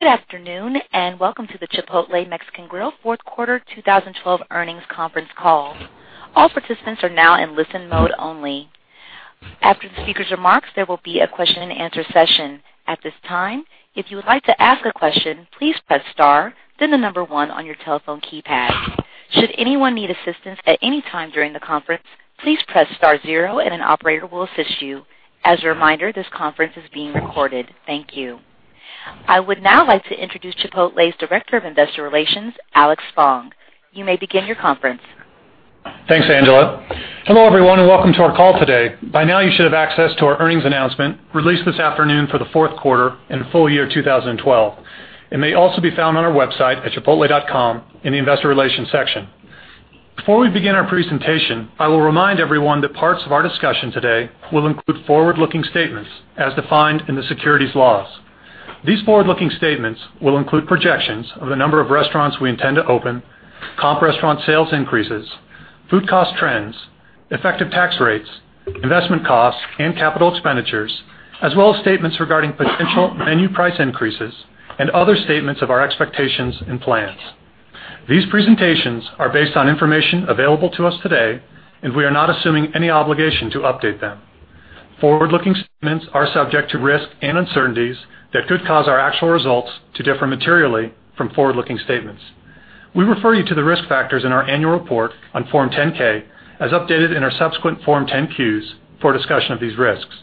Good afternoon, and welcome to the Chipotle Mexican Grill fourth quarter 2012 earnings conference call. All participants are now in listen mode only. After the speaker's remarks, there will be a question and answer session. At this time, if you would like to ask a question, please press star then 1 on your telephone keypad. Should anyone need assistance at any time during the conference, please press star 0 and an operator will assist you. As a reminder, this conference is being recorded. Thank you. I would now like to introduce Chipotle's Director of Investor Relations, Alex Fong. You may begin your conference. Thanks, Angela. Hello everyone, and welcome to our call today. By now, you should have access to our earnings announcement released this afternoon for the fourth quarter and full year 2012. It may also be found on our website at chipotle.com in the investor relations section. Before we begin our presentation, I will remind everyone that parts of our discussion today will include forward-looking statements as defined in the securities laws. These forward-looking statements will include projections of the number of restaurants we intend to open, comp restaurant sales increases, food cost trends, effective tax rates, investment costs, and capital expenditures, as well as statements regarding potential menu price increases and other statements of our expectations and plans. These presentations are based on information available to us today, and we are not assuming any obligation to update them. Forward-looking statements are subject to risks and uncertainties that could cause our actual results to differ materially from forward-looking statements. We refer you to the risk factors in our annual report on Form 10-K, as updated in our subsequent Form 10-Q for a discussion of these risks.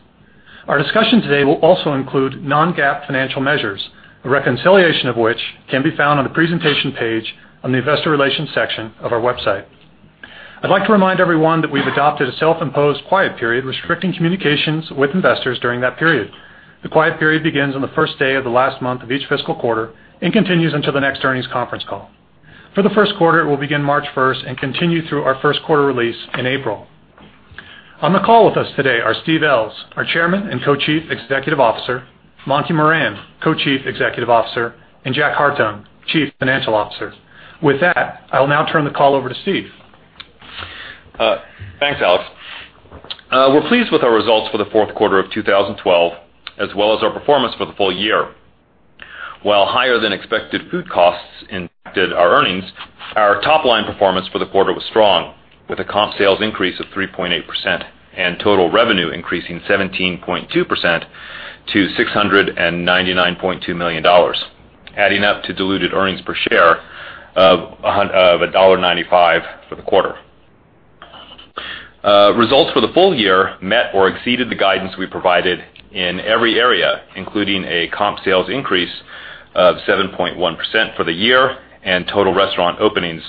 Our discussion today will also include non-GAAP financial measures, a reconciliation of which can be found on the presentation page on the investor relations section of our website. I'd like to remind everyone that we've adopted a self-imposed quiet period restricting communications with investors during that period. The quiet period begins on the first day of the last month of each fiscal quarter and continues until the next earnings conference call. For the first quarter, it will begin March 1st and continue through our first quarter release in April. On the call with us today are Steve Ells, our Chairman and Co-Chief Executive Officer, Monty Moran, Co-Chief Executive Officer, and Jack Hartung, Chief Financial Officer. With that, I will now turn the call over to Steve. Thanks, Alex. We're pleased with our results for the fourth quarter of 2012, as well as our performance for the full year. While higher than expected food costs impacted our earnings, our top-line performance for the quarter was strong, with a comp sales increase of 3.8% and total revenue increasing 17.2% to $699.2 million, adding up to diluted earnings per share of $1.95 for the quarter. Results for the full year met or exceeded the guidance we provided in every area, including a comp sales increase of 7.1% for the year and total restaurant openings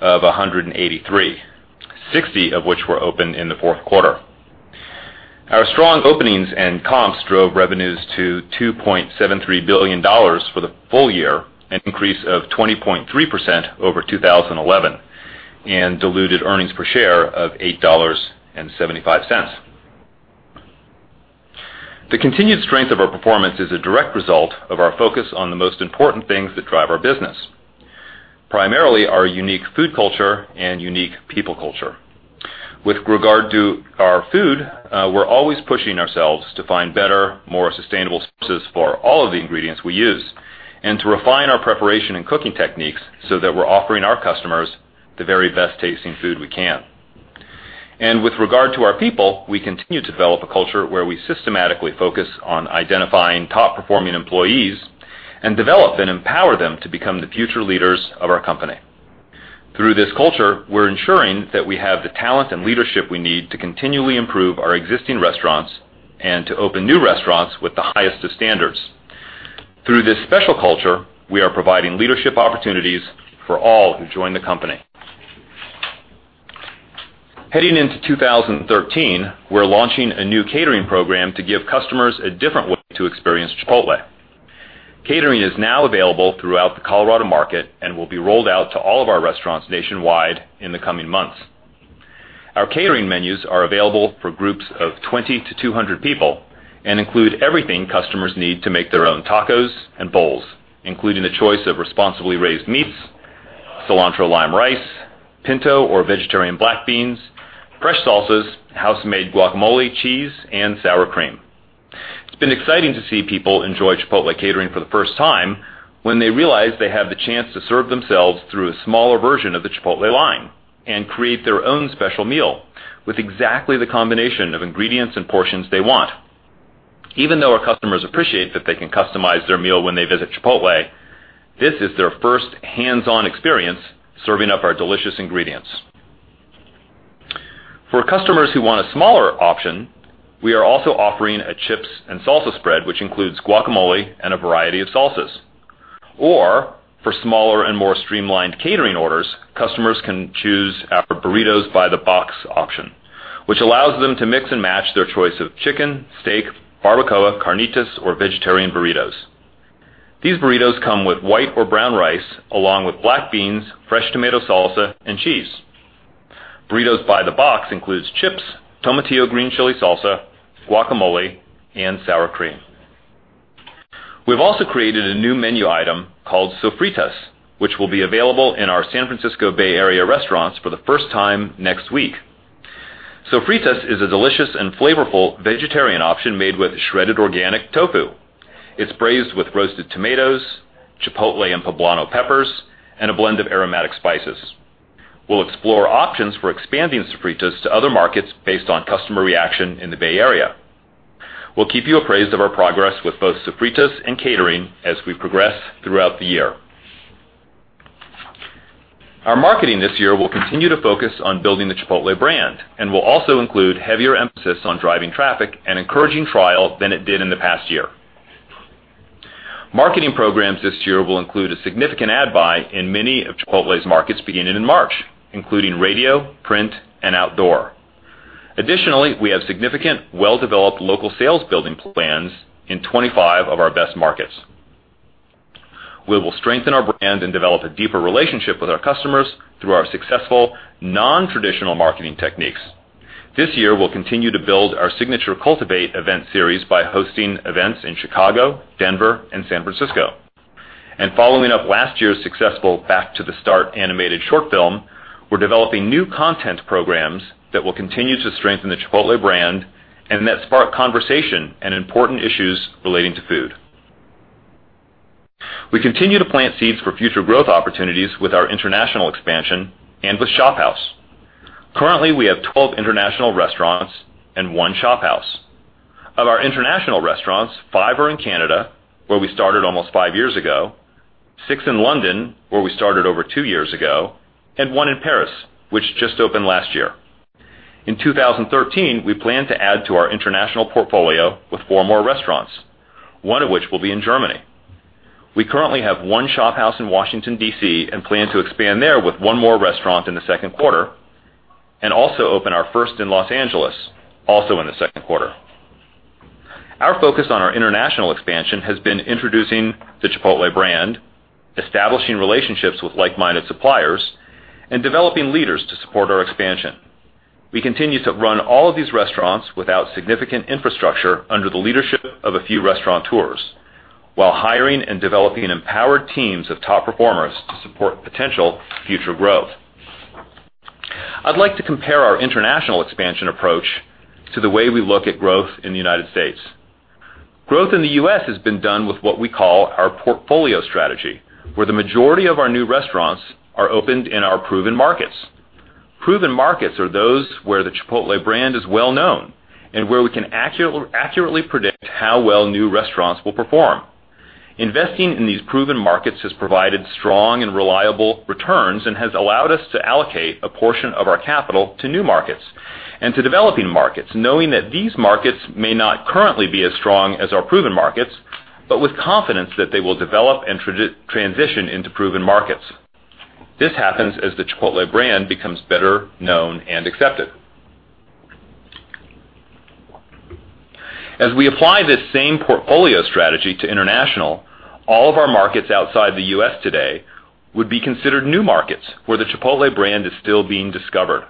of 183, 60 of which were opened in the fourth quarter. Our strong openings and comps drove revenues to $2.73 billion for the full year, an increase of 20.3% over 2011, and diluted earnings per share of $8.75. The continued strength of our performance is a direct result of our focus on the most important things that drive our business, primarily our unique food culture and unique people culture. With regard to our food, we're always pushing ourselves to find better, more sustainable sources for all of the ingredients we use and to refine our preparation and cooking techniques so that we're offering our customers the very best-tasting food we can. With regard to our people, we continue to develop a culture where we systematically focus on identifying top-performing employees and develop and empower them to become the future leaders of our company. Through this culture, we're ensuring that we have the talent and leadership we need to continually improve our existing restaurants and to open new restaurants with the highest of standards. Through this special culture, we are providing leadership opportunities for all who join the company. Heading into 2013, we're launching a new catering program to give customers a different way to experience Chipotle. Catering is now available throughout the Colorado market and will be rolled out to all of our restaurants nationwide in the coming months. Our catering menus are available for groups of 20 to 200 people and include everything customers need to make their own tacos and bowls, including the choice of responsibly raised meats, cilantro lime rice, pinto or vegetarian black beans, fresh salsas, house-made guacamole, cheese, and sour cream. It's been exciting to see people enjoy Chipotle catering for the first time when they realize they have the chance to serve themselves through a smaller version of the Chipotle line and create their own special meal with exactly the combination of ingredients and portions they want. Even though our customers appreciate that they can customize their meal when they visit Chipotle, this is their first hands-on experience serving up our delicious ingredients. For customers who want a smaller option, we are also offering a chips and salsa spread, which includes guacamole and a variety of salsas. For smaller and more streamlined catering orders, customers can choose our Burritos by the Box option, which allows them to mix and match their choice of chicken, steak, barbacoa, carnitas, or vegetarian burritos. These burritos come with white or brown rice, along with black beans, fresh tomato salsa, and cheese. Burritos by the Box includes chips, tomatillo-green chili salsa, guacamole, and sour cream. We've also created a new menu item called Sofritas, which will be available in our San Francisco Bay Area restaurants for the first time next week. Sofritas is a delicious and flavorful vegetarian option made with shredded organic tofu. It's braised with roasted tomatoes, Chipotle and poblano peppers, and a blend of aromatic spices. We'll explore options for expanding Sofritas to other markets based on customer reaction in the Bay Area. We'll keep you appraised of our progress with both Sofritas and catering as we progress throughout the year. Our marketing this year will continue to focus on building the Chipotle brand and will also include heavier emphasis on driving traffic and encouraging trial than it did in the past year. Marketing programs this year will include a significant ad buy in many of Chipotle's markets beginning in March, including radio, print, and outdoor. Additionally, we have significant well-developed local sales building plans in 25 of our best markets. We will strengthen our brand and develop a deeper relationship with our customers through our successful non-traditional marketing techniques. This year, we'll continue to build our signature Cultivate event series by hosting events in Chicago, Denver, and San Francisco. Following up last year's successful Back to the Start animated short film, we're developing new content programs that will continue to strengthen the Chipotle brand and that spark conversation and important issues relating to food. We continue to plant seeds for future growth opportunities with our international expansion and with ShopHouse. Currently, we have 12 international restaurants and one ShopHouse. Of our international restaurants, five are in Canada, where we started almost five years ago, six in London, where we started over two years ago, and one in Paris, which just opened last year. In 2013, we plan to add to our international portfolio with four more restaurants, one of which will be in Germany. We currently have one ShopHouse in Washington, D.C. and plan to expand there with one more restaurant in the second quarter, and also open our first in Los Angeles, also in the second quarter. Our focus on our international expansion has been introducing the Chipotle brand, establishing relationships with like-minded suppliers, and developing leaders to support our expansion. We continue to run all of these restaurants without significant infrastructure under the leadership of a few Restaurateurs, while hiring and developing empowered teams of top performers to support potential future growth. I'd like to compare our international expansion approach to the way we look at growth in the United States. Growth in the U.S. has been done with what we call our portfolio strategy, where the majority of our new restaurants are opened in our proven markets. Proven markets are those where the Chipotle brand is well-known, and where we can accurately predict how well new restaurants will perform. Investing in these proven markets has provided strong and reliable returns and has allowed us to allocate a portion of our capital to new markets and to developing markets, knowing that these markets may not currently be as strong as our proven markets, but with confidence that they will develop and transition into proven markets. This happens as the Chipotle brand becomes better known and accepted. As we apply this same portfolio strategy to international, all of our markets outside the U.S. today would be considered new markets where the Chipotle brand is still being discovered.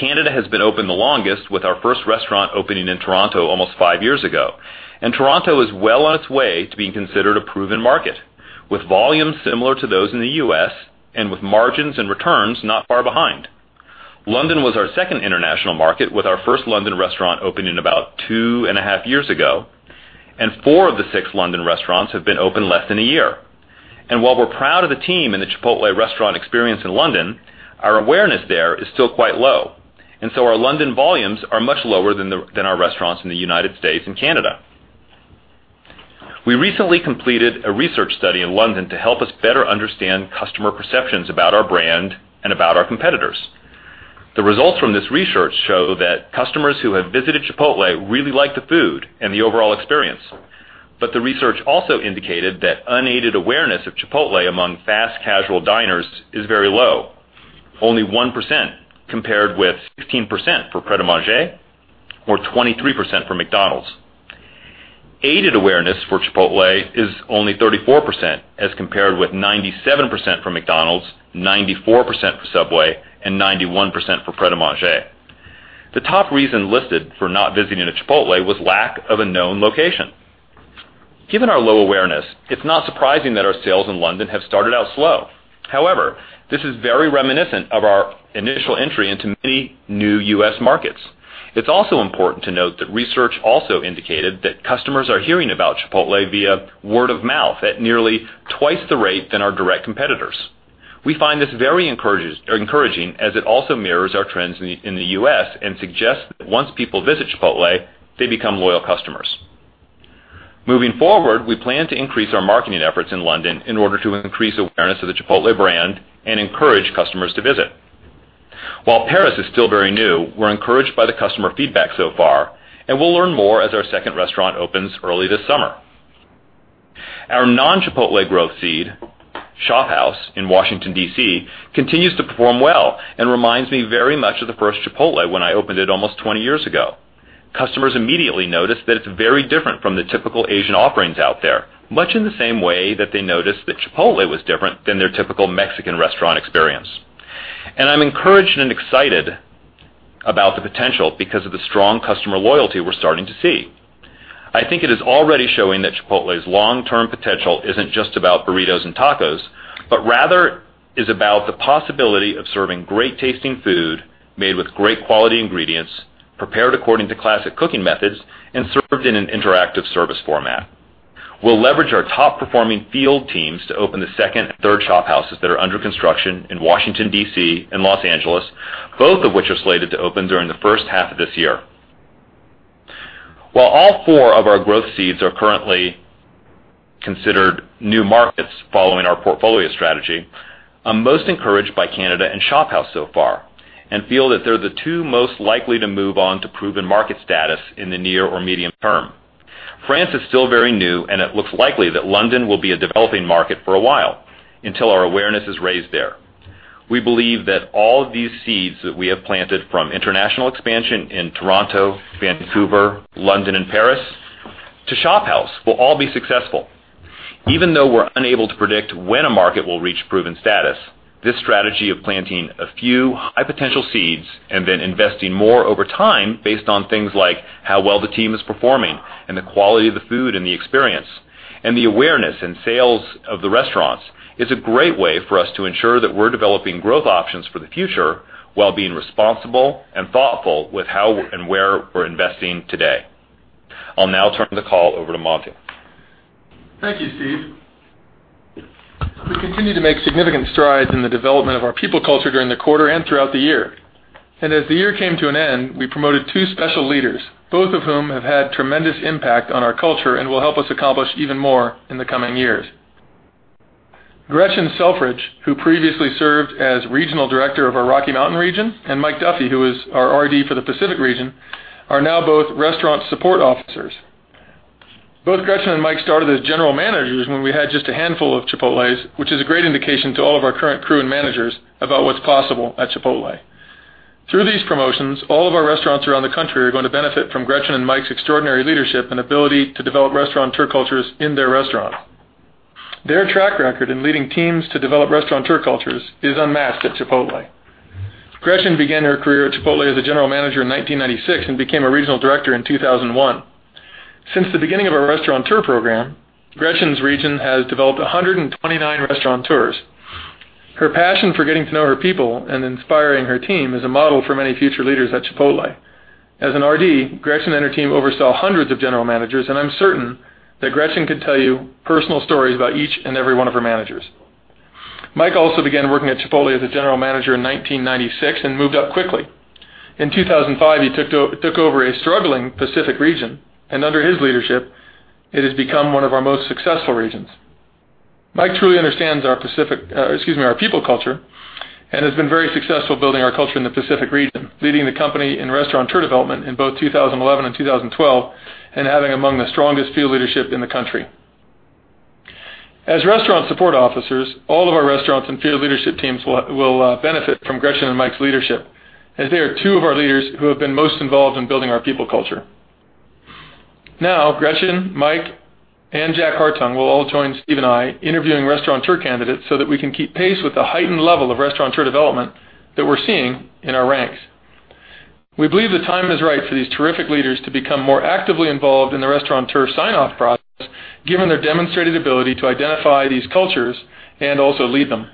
Canada has been open the longest, with our first restaurant opening in Toronto almost five years ago. Toronto is well on its way to being considered a proven market, with volumes similar to those in the U.S., with margins and returns not far behind. London was our second international market, with our first London restaurant opening about two and a half years ago, and four of the six London restaurants have been open less than a year. While we're proud of the team and the Chipotle restaurant experience in London, our awareness there is still quite low, so our London volumes are much lower than our restaurants in the U.S. and Canada. We recently completed a research study in London to help us better understand customer perceptions about our brand and about our competitors. The results from this research show that customers who have visited Chipotle really like the food and the overall experience. The research also indicated that unaided awareness of Chipotle among fast casual diners is very low. Only 1%, compared with 15% for Pret A Manger, or 23% for McDonald's. Aided awareness for Chipotle is only 34%, as compared with 97% for McDonald's, 94% for Subway, and 91% for Pret A Manger. The top reason listed for not visiting a Chipotle was lack of a known location. Given our low awareness, it's not surprising that our sales in London have started out slow. However, this is very reminiscent of our initial entry into many new U.S. markets. It's also important to note that research also indicated that customers are hearing about Chipotle via word of mouth at nearly twice the rate than our direct competitors. We find this very encouraging, as it also mirrors our trends in the U.S., and suggests that once people visit Chipotle, they become loyal customers. Moving forward, we plan to increase our marketing efforts in London in order to increase awareness of the Chipotle brand and encourage customers to visit. While Paris is still very new, we're encouraged by the customer feedback so far, and we'll learn more as our second restaurant opens early this summer. Our non-Chipotle growth seed, ShopHouse, in Washington, D.C., continues to perform well and reminds me very much of the first Chipotle when I opened it almost 20 years ago. Customers immediately notice that it's very different from the typical Asian offerings out there, much in the same way that they noticed that Chipotle was different than their typical Mexican restaurant experience. I'm encouraged and excited about the potential because of the strong customer loyalty we're starting to see. I think it is already showing that Chipotle's long-term potential isn't just about burritos and tacos, but rather is about the possibility of serving great-tasting food made with great quality ingredients, prepared according to classic cooking methods, and served in an interactive service format. We'll leverage our top-performing field teams to open the second and third ShopHouses that are under construction in Washington, D.C., and Los Angeles, both of which are slated to open during the first half of this year. While all four of our growth seeds are currently considered new markets following our portfolio strategy, I'm most encouraged by Canada and ShopHouse so far and feel that they're the two most likely to move on to proven market status in the near or medium term. France is still very new, and it looks likely that London will be a developing market for a while until our awareness is raised there. We believe that all of these seeds that we have planted, from international expansion in Toronto, Vancouver, London, and Paris, to ShopHouse, will all be successful. Even though we're unable to predict when a market will reach proven status, this strategy of planting a few high-potential seeds and then investing more over time based on things like how well the team is performing and the quality of the food and the experience, and the awareness in sales of the restaurants, is a great way for us to ensure that we're developing growth options for the future while being responsible and thoughtful with how and where we're investing today. I'll now turn the call over to Monty. Thank you, Steve. We continue to make significant strides in the development of our people culture during the quarter and throughout the year. As the year came to an end, we promoted two special leaders, both of whom have had tremendous impact on our culture and will help us accomplish even more in the coming years. Gretchen Selfridge, who previously served as regional director of our Rocky Mountain region, and Mike Duffy, who is our RD for the Pacific region, are now both Restaurant Support Officers. Both Gretchen and Mike started as general managers when we had just a handful of Chipotles, which is a great indication to all of our current crew and managers about what's possible at Chipotle. Through these promotions, all of our restaurants around the country are going to benefit from Gretchen and Mike's extraordinary leadership and ability to develop Restaurateur cultures in their restaurants. Their track record in leading teams to develop Restaurateur cultures is unmatched at Chipotle. Gretchen began her career at Chipotle as a general manager in 1996 and became a regional director in 2001. Since the beginning of our Restaurateur program, Gretchen's region has developed 129 Restaurateurs. Her passion for getting to know her people and inspiring her team is a model for many future leaders at Chipotle. As an RD, Gretchen and her team oversaw hundreds of general managers, and I'm certain that Gretchen could tell you personal stories about each and every one of her managers. Mike also began working at Chipotle as a general manager in 1996 and moved up quickly. In 2005, he took over a struggling Pacific region, and under his leadership, it has become one of our most successful regions. Mike truly understands our people culture and has been very successful building our culture in the Pacific region, leading the company in Restaurateur development in both 2011 and 2012 and having among the strongest field leadership in the country. As Restaurant Support Officers, all of our restaurants and field leadership teams will benefit from Gretchen and Mike's leadership, as they are two of our leaders who have been most involved in building our people culture. Now, Gretchen, Mike, and Jack Hartung will all join Steve and I interviewing Restaurateur candidates so that we can keep pace with the heightened level of Restaurateur development that we're seeing in our ranks. We believe the time is right for these terrific leaders to become more actively involved in the Restaurateur sign-off process, given their demonstrated ability to identify these cultures and also lead them.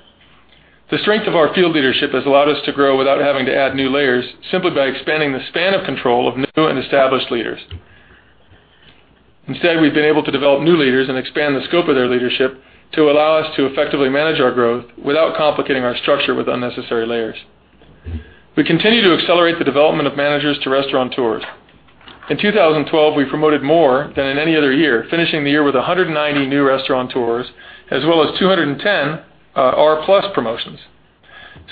The strength of our field leadership has allowed us to grow without having to add new layers simply by expanding the span of control of new and established leaders. Instead, we've been able to develop new leaders and expand the scope of their leadership to allow us to effectively manage our growth without complicating our structure with unnecessary layers. We continue to accelerate the development of managers to Restaurateurs. In 2012, we promoted more than in any other year, finishing the year with 190 new Restaurateurs, as well as 210 R+ promotions.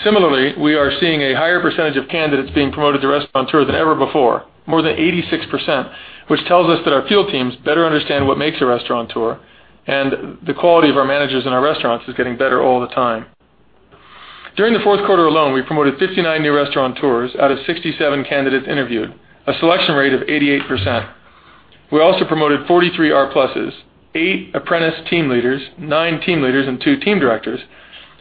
Similarly, we are seeing a higher percentage of candidates being promoted to Restaurateur than ever before, more than 86%, which tells us that our field teams better understand what makes a Restaurateur, and the quality of our managers in our restaurants is getting better all the time. During the fourth quarter alone, we promoted 59 new Restaurateurs out of 67 candidates interviewed, a selection rate of 88%. We also promoted 43 R+, 8 apprentice team leaders, 9 team leaders, and 2 team directors,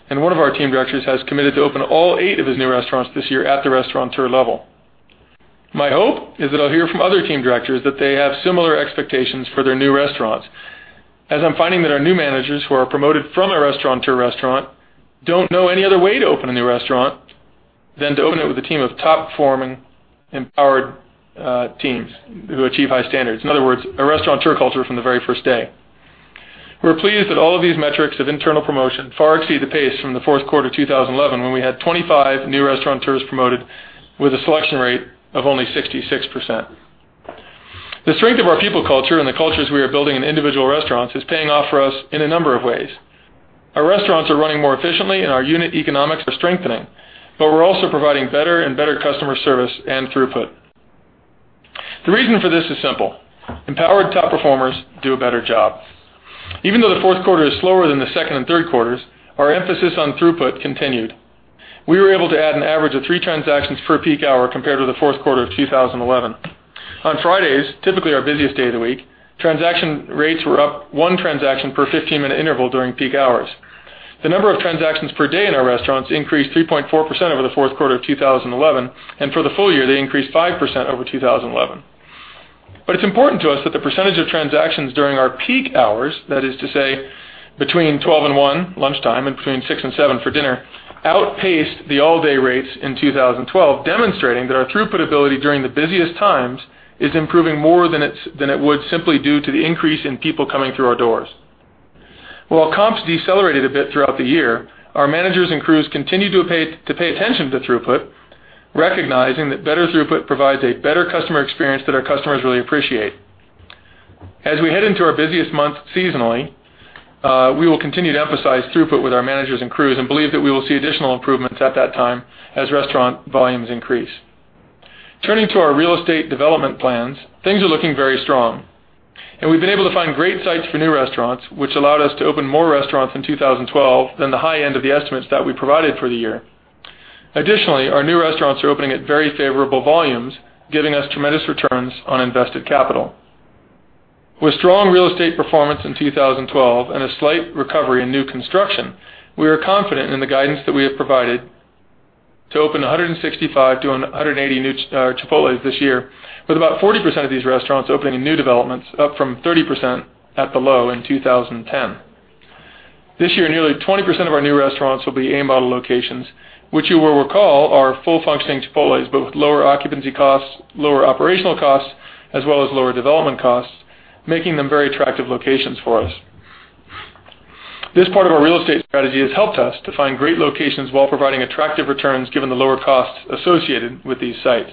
and one of our team directors has committed to open all 8 of his new restaurants this year at the Restaurateur level. My hope is that I'll hear from other team directors that they have similar expectations for their new restaurants, as I'm finding that our new managers who are promoted from a Restaurateur restaurant don't know any other way to open a new restaurant than to open it with a team of top-performing, empowered teams who achieve high standards. In other words, a Restaurateur culture from the very first day. We're pleased that all of these metrics of internal promotion far exceed the pace from the fourth quarter 2011, when we had 25 new Restaurateurs promoted with a selection rate of only 66%. The strength of our people culture and the cultures we are building in individual restaurants is paying off for us in a number of ways. Our restaurants are running more efficiently, and our unit economics are strengthening, but we're also providing better and better customer service and throughput. The reason for this is simple: empowered top performers do a better job. Even though the fourth quarter is slower than the second and third quarters, our emphasis on throughput continued. We were able to add an average of three transactions per peak hour compared to the fourth quarter of 2011. On Fridays, typically our busiest day of the week, transaction rates were up one transaction per 15-minute interval during peak hours. The number of transactions per day in our restaurants increased 3.4% over the fourth quarter of 2011, and for the full year, they increased 5% over 2011. It's important to us that the percentage of transactions during our peak hours, that is to say, between 12:00 and 1:00, lunchtime, and between 6:00 and 7:00 for dinner, outpaced the all-day rates in 2012, demonstrating that our throughput ability during the busiest times is improving more than it would simply due to the increase in people coming through our doors. While comps decelerated a bit throughout the year, our managers and crews continue to pay attention to throughput, recognizing that better throughput provides a better customer experience that our customers really appreciate. As we head into our busiest month seasonally, we will continue to emphasize throughput with our managers and crews and believe that we will see additional improvements at that time as restaurant volumes increase. Turning to our real estate development plans, things are looking very strong. We've been able to find great sites for new restaurants, which allowed us to open more restaurants in 2012 than the high end of the estimates that we provided for the year. Additionally, our new restaurants are opening at very favorable volumes, giving us tremendous returns on invested capital. With strong real estate performance in 2012 and a slight recovery in new construction, we are confident in the guidance that we have provided to open 165-180 new Chipotles this year, with about 40% of these restaurants opening in new developments, up from 30% at the low in 2010. This year, nearly 20% of our new restaurants will be A Model locations, which you will recall are full functioning Chipotles, but with lower occupancy costs, lower operational costs, as well as lower development costs, making them very attractive locations for us. This part of our real estate strategy has helped us to find great locations while providing attractive returns, given the lower costs associated with these sites.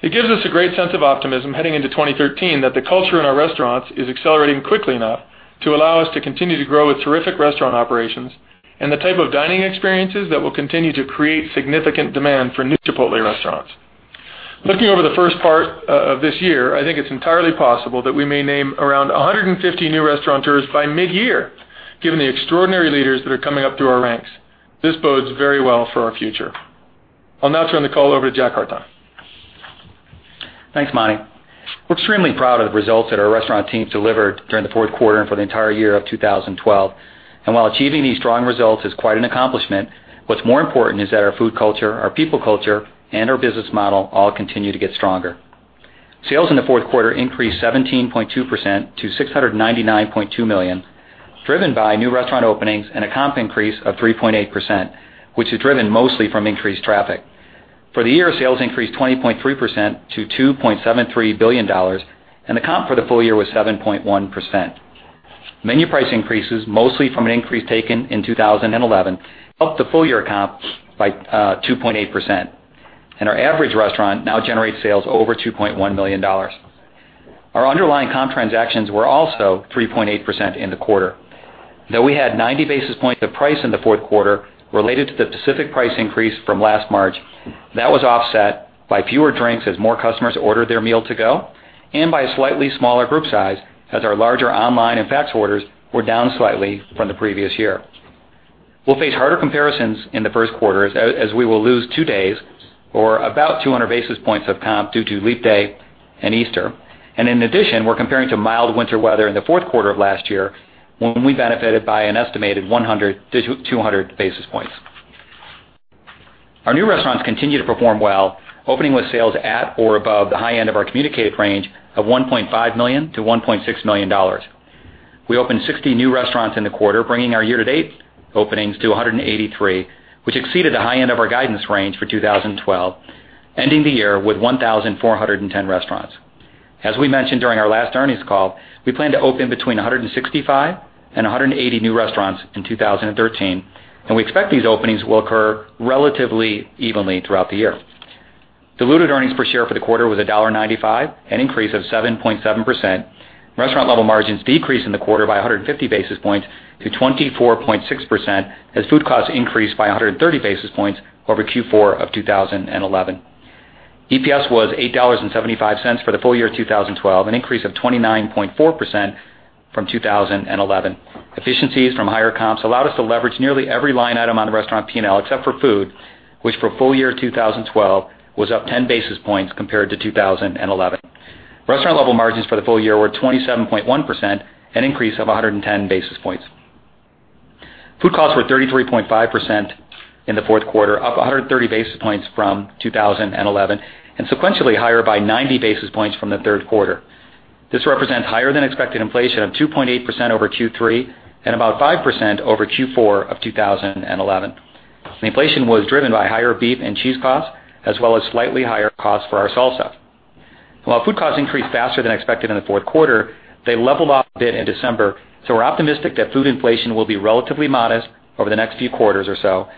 It gives us a great sense of optimism heading into 2013 that the culture in our restaurants is accelerating quickly enough to allow us to continue to grow with terrific restaurant operations and the type of dining experiences that will continue to create significant demand for new Chipotle restaurants. Looking over the first part of this year, I think it's entirely possible that we may name around 150 new Restaurateurs by mid-year, given the extraordinary leaders that are coming up through our ranks. This bodes very well for our future. I'll now turn the call over to Jack Hartung. Thanks, Monty. We're extremely proud of the results that our restaurant teams delivered during the fourth quarter and for the entire year of 2012. While achieving these strong results is quite an accomplishment, what's more important is that our food culture, our people culture, and our business model all continue to get stronger. Sales in the fourth quarter increased 17.2% to $699.2 million, driven by new restaurant openings and a comp increase of 3.8%, which is driven mostly from increased traffic. For the year, sales increased 20.3% to $2.73 billion, and the comp for the full year was 7.1%. Menu price increases, mostly from an increase taken in 2011, helped the full-year comp by 2.8%. Our average restaurant now generates sales over $2.1 million. Our underlying comp transactions were also 3.8% in the quarter. Though we had 90 basis points of price in the fourth quarter related to the specific price increase from last March, that was offset by fewer drinks as more customers ordered their meal to go, and by a slightly smaller group size, as our larger online and fax orders were down slightly from the previous year. We will face harder comparisons in the first quarter, as we will lose two days, or about 200 basis points of comp due to Leap Day and Easter. In addition, we are comparing to mild winter weather in the fourth quarter of last year, when we benefited by an estimated 100 to 200 basis points. Our new restaurants continue to perform well, opening with sales at or above the high end of our communicated range of $1.5 million to $1.6 million. We opened 60 new restaurants in the quarter, bringing our year-to-date openings to 183, which exceeded the high end of our guidance range for 2012, ending the year with 1,410 restaurants. As we mentioned during our last earnings call, we plan to open between 165 and 180 new restaurants in 2013. We expect these openings will occur relatively evenly throughout the year. Diluted earnings per share for the quarter was $1.95, an increase of 7.7%. Restaurant level margins decreased in the quarter by 150 basis points to 24.6%, as food costs increased by 130 basis points over Q4 of 2011. EPS was $8.75 for the full year 2012, an increase of 29.4% from 2011. Efficiencies from higher comps allowed us to leverage nearly every line item on the restaurant P&L except for food, which for full year 2012 was up 10 basis points compared to 2011. Restaurant level margins for the full year were 27.1%, an increase of 110 basis points. Food costs were 33.5% in the fourth quarter, up 130 basis points from 2011. Sequentially higher by 90 basis points from the third quarter, this represents higher than expected inflation of 2.8% over Q3 and about 5% over Q4 of 2011. The inflation was driven by higher beef and cheese costs, as well as slightly higher costs for our salsa. While food costs increased faster than expected in the fourth quarter, they leveled off a bit in December. We are optimistic that food inflation will be relatively modest over the next few quarters or so.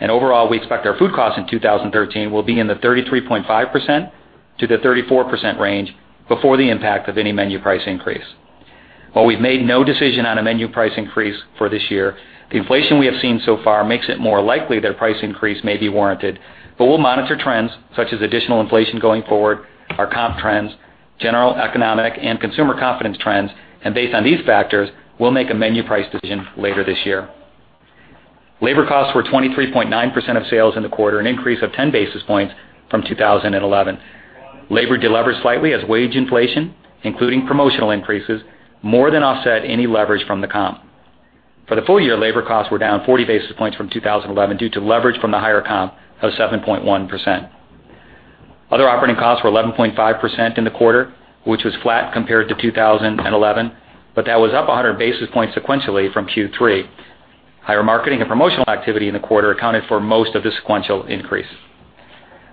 Overall, we expect our food costs in 2013 will be in the 33.5%-34% range before the impact of any menu price increase. While we have made no decision on a menu price increase for this year, the inflation we have seen so far makes it more likely that a price increase may be warranted. We will monitor trends such as additional inflation going forward, our comp trends, general economic, and consumer confidence trends. Based on these factors, we will make a menu price decision later this year. Labor costs were 23.9% of sales in the quarter, an increase of 10 basis points from 2011. Labor delevered slightly as wage inflation, including promotional increases, more than offset any leverage from the comp. For the full year, labor costs were down 40 basis points from 2011 due to leverage from the higher comp of 7.1%. Other operating costs were 11.5% in the quarter, which was flat compared to 2011. That was up 100 basis points sequentially from Q3. Higher marketing and promotional activity in the quarter accounted for most of the sequential increase.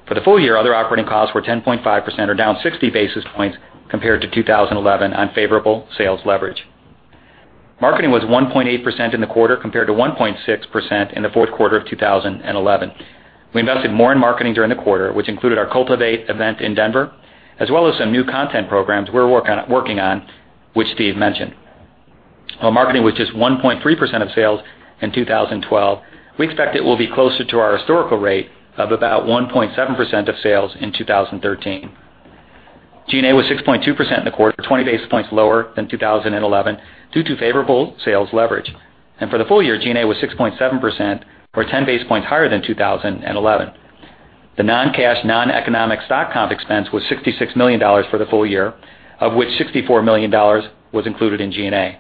For the full year, other operating costs were 10.5%, or down 60 basis points compared to 2011 on favorable sales leverage. Marketing was 1.8% in the quarter, compared to 1.6% in the fourth quarter of 2011. We invested more in marketing during the quarter, which included our Cultivate event in Denver, as well as some new content programs we're working on, which Steve mentioned. While marketing was just 1.3% of sales in 2012, we expect it will be closer to our historical rate of about 1.7% of sales in 2013. G&A was 6.2% in the quarter, 20 basis points lower than 2011 due to favorable sales leverage. For the full year, G&A was 6.7%, or 10 basis points higher than 2011. The non-cash, non-economic stock comp expense was $66 million for the full year, of which $64 million was included in G&A.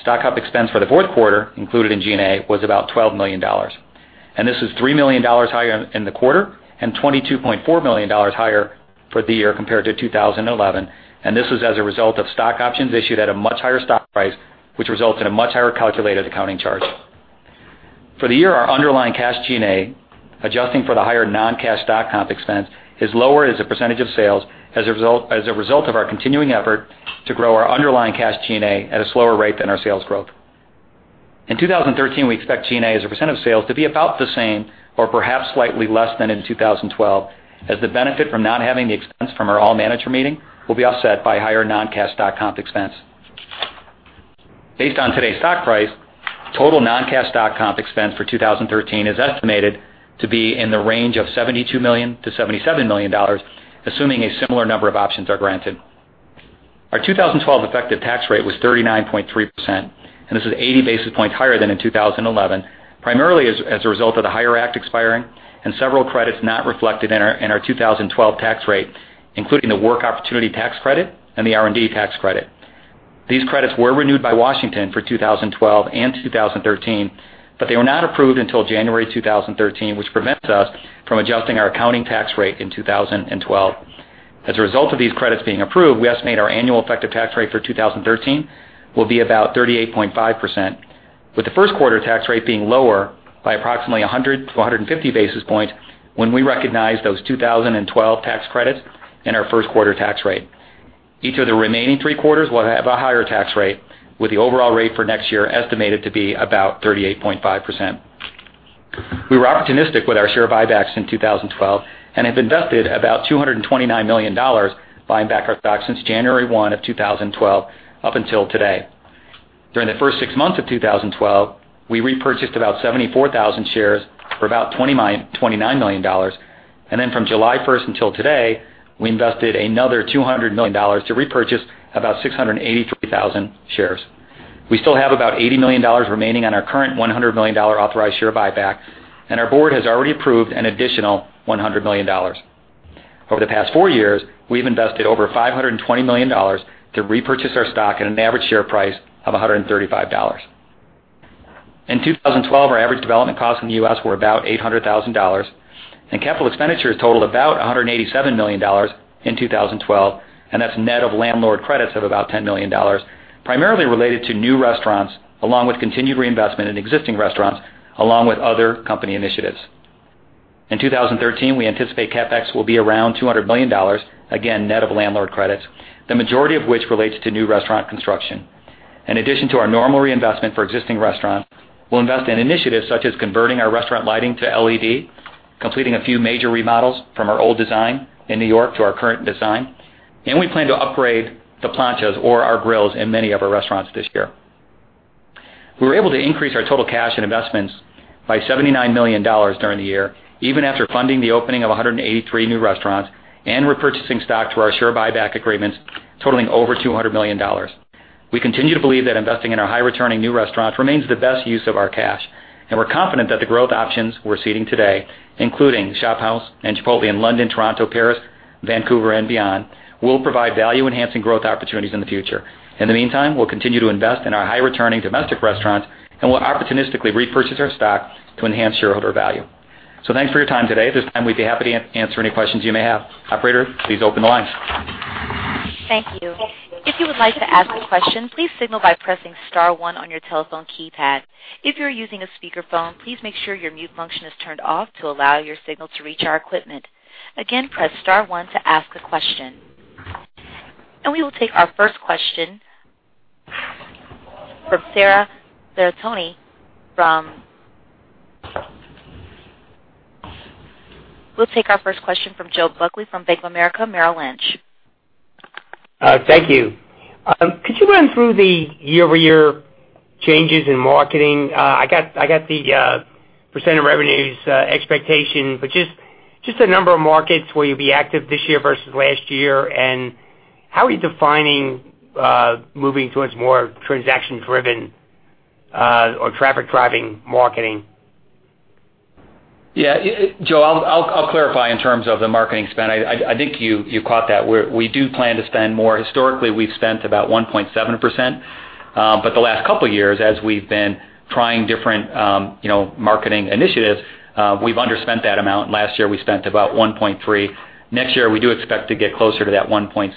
Stock comp expense for the fourth quarter, included in G&A, was about $12 million. This is $3 million higher in the quarter and $22.4 million higher for the year compared to 2011, and this was as a result of stock options issued at a much higher stock price, which results in a much higher calculated accounting charge. For the year, our underlying cash G&A, adjusting for the higher non-cash stock comp expense, is lower as a percentage of sales as a result of our continuing effort to grow our underlying cash G&A at a slower rate than our sales growth. In 2013, we expect G&A as a percent of sales to be about the same or perhaps slightly less than in 2012, as the benefit from not having the expense from our all-manager meeting will be offset by higher non-cash stock comp expense. Based on today's stock price, total non-cash stock comp expense for 2013 is estimated to be in the range of $72 million-$77 million, assuming a similar number of options are granted. Our 2012 effective tax rate was 39.3%. This is 80 basis points higher than in 2011, primarily as a result of the higher act expiring and several credits not reflected in our 2012 tax rate, including the Work Opportunity Tax Credit and the R&D tax credit. These credits were renewed by Washington for 2012 and 2013, but they were not approved until January 2013, which prevents us from adjusting our accounting tax rate in 2012. As a result of these credits being approved, we estimate our annual effective tax rate for 2013 will be about 38.5%, with the first quarter tax rate being lower by approximately 100 to 150 basis points when we recognize those 2012 tax credits in our first quarter tax rate. Each of the remaining three quarters will have a higher tax rate, with the overall rate for next year estimated to be about 38.5%. We were opportunistic with our share buybacks in 2012 and have invested about $229 million buying back our stock since January 1 of 2012 up until today. During the first six months of 2012, we repurchased about 74,000 shares for about $29 million. From July 1st until today, we invested another $200 million to repurchase about 683,000 shares. We still have about $80 million remaining on our current $100 million authorized share buyback. Our board has already approved an additional $100 million. Over the past four years, we've invested over $520 million to repurchase our stock at an average share price of $135. In 2012, our average development costs in the U.S. were about $800,000. Capital expenditures totaled about $187 million in 2012. That's net of landlord credits of about $10 million, primarily related to new restaurants, along with continued reinvestment in existing restaurants, along with other company initiatives. In 2013, we anticipate CapEx will be around $200 million, again, net of landlord credits, the majority of which relates to new restaurant construction. In addition to our normal reinvestment for existing restaurants, we'll invest in initiatives such as converting our restaurant lighting to LED, completing a few major remodels from our old design in New York to our current design. We plan to upgrade the planchas or our grills in many of our restaurants this year. We were able to increase our total cash and investments by $79 million during the year, even after funding the opening of 183 new restaurants and repurchasing stock to our share buyback agreements totaling over $200 million. We continue to believe that investing in our high-returning new restaurants remains the best use of our cash. We're confident that the growth options we're seeding today, including ShopHouse and Chipotle in London, Toronto, Paris, Vancouver, and beyond, will provide value-enhancing growth opportunities in the future. In the meantime, we'll continue to invest in our high-returning domestic restaurants. We'll opportunistically repurchase our stock to enhance shareholder value. Thanks for your time today. At this time, we'd be happy to answer any questions you may have. Operator, please open the lines. Thank you. If you would like to ask a question, please signal by pressing *1 on your telephone keypad. If you're using a speakerphone, please make sure your mute function is turned off to allow your signal to reach our equipment. Again, press *1 to ask a question. We will take our first question from Joe Buckley from Bank of America Merrill Lynch. Thank you. Could you run through the year-over-year changes in marketing? I got the % of revenues expectation, just the number of markets where you'll be active this year versus last year. How are you defining moving towards more transaction-driven or traffic-driving marketing? Yeah, Joe, I'll clarify in terms of the marketing spend. I think you caught that. We do plan to spend more. Historically, we've spent about 1.7%, but the last couple of years, as we've been trying different marketing initiatives, we've underspent that amount. Last year, we spent about 1.3%. Next year, we do expect to get closer to that 1.7%.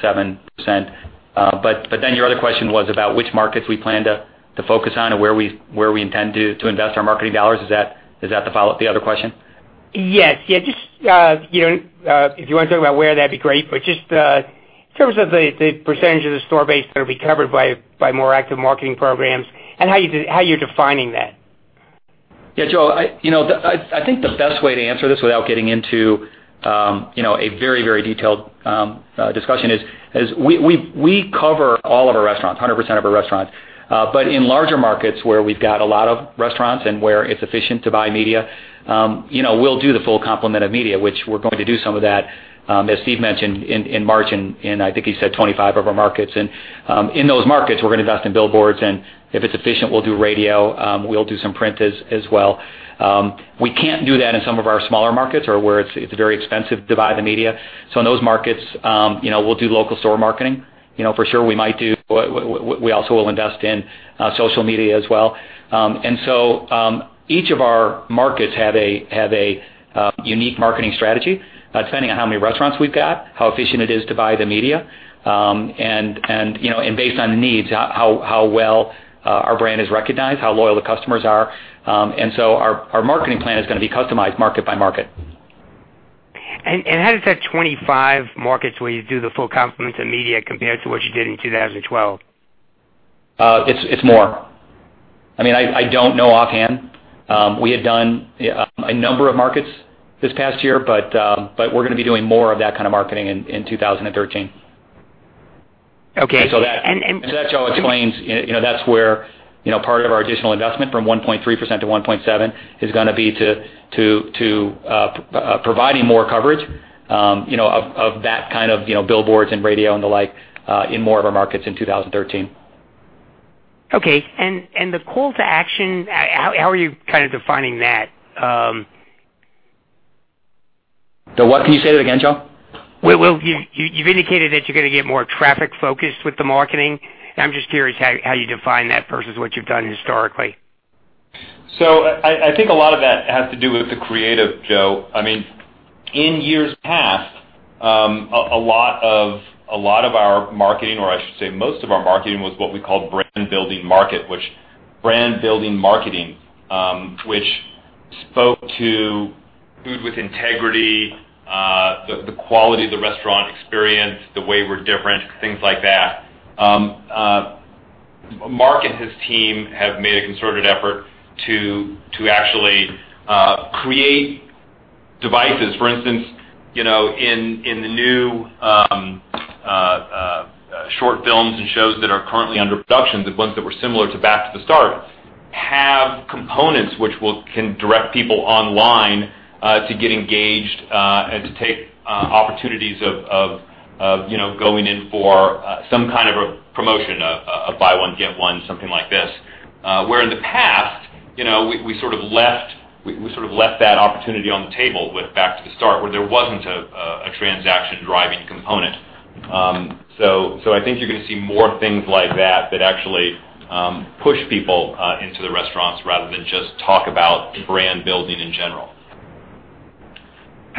Your other question was about which markets we plan to focus on or where we intend to invest our marketing dollars. Is that the follow-up, the other question? Yes. If you want to talk about where, that'd be great. Just in terms of the % of the store base that'll be covered by more active marketing programs and how you're defining that. Yeah, Joe, I think the best way to answer this without getting into a very detailed discussion is, we cover all of our restaurants, 100% of our restaurants. In larger markets where we've got a lot of restaurants and where it's efficient to buy media, we'll do the full complement of media, which we're going to do some of that, as Steve mentioned, in March in, I think he said, 25 of our markets. In those markets, we're going to invest in billboards, and if it's efficient, we'll do radio. We'll do some print as well. We can't do that in some of our smaller markets or where it's very expensive to buy the media. In those markets, we'll do local store marketing. For sure, we also will invest in social media as well. Each of our markets have a unique marketing strategy, depending on how many restaurants we've got, how efficient it is to buy the media, and based on needs, how well our brand is recognized, how loyal the customers are. Our marketing plan is going to be customized market by market. How does that 25 markets where you do the full complement of media compare to what you did in 2012? It's more. I don't know offhand. We had done a number of markets this past year, but we're going to be doing more of that kind of marketing in 2013. Okay. That, Joe, explains that's where part of our additional investment from 1.3% to 1.7% is going to be to providing more coverage of that kind of billboards and radio and the like in more of our markets in 2013. The call to action, how are you kind of defining that? The what? Can you say that again, Joe? You've indicated that you're going to get more traffic-focused with the marketing, and I'm just curious how you define that versus what you've done historically. I think a lot of that has to do with the creative, Joe. In years past, a lot of our marketing, or I should say most of our marketing, was what we called brand-building marketing, which spoke to Food with Integrity, the quality of the restaurant experience, the way we're different, things like that. Mark and his team have made a concerted effort to actually create devices. For instance, in the new short films and shows that are currently under production, the ones that were similar to Back to the Start, have components which can direct people online to get engaged and to take opportunities of going in for some kind of a promotion, a buy one, get one, something like this. Where in the past, we sort of left that opportunity on the table with Back to the Start, where there wasn't a transaction-driving component. I think you're going to see more things like that that actually push people into the restaurants rather than just talk about brand building in general.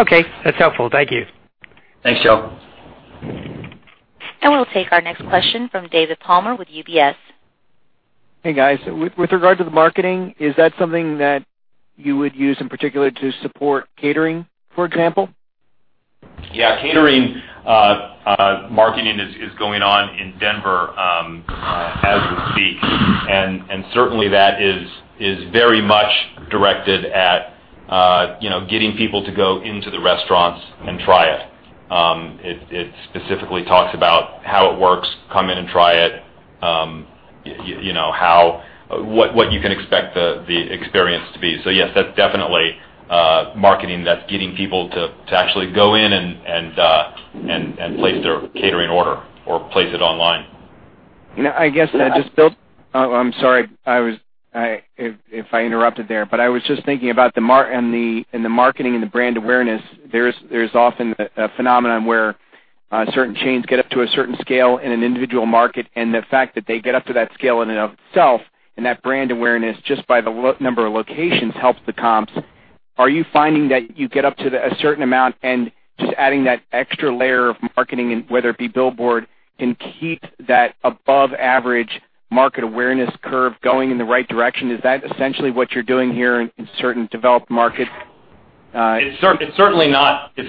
Okay. That's helpful. Thank you. Thanks, Joe. We'll take our next question from David Palmer with UBS. Hey, guys. With regard to the marketing, is that something that you would use in particular to support catering, for example? Yeah. Catering marketing is going on in Denver as we speak, and certainly that is very much directed at getting people to go into the restaurants and try it. It specifically talks about how it works, come in and try it, what you can expect the experience to be. Yes, that's definitely marketing that's getting people to actually go in and place their catering order or place it online. Oh, I'm sorry if I interrupted there, but I was just thinking about in the marketing and the brand awareness, there's often a phenomenon where certain chains get up to a certain scale in an individual market, and the fact that they get up to that scale in and of itself, and that brand awareness just by the number of locations helps the comps. Are you finding that you get up to a certain amount and just adding that extra layer of marketing, whether it be billboard, can keep that above-average market awareness curve going in the right direction? Is that essentially what you're doing here in certain developed markets? It's certainly not the